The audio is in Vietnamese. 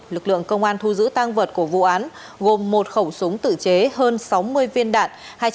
lực lượng công an thu giữ tang vật của vụ án gồm một khẩu súng tự chế hơn sáu mươi viên đạn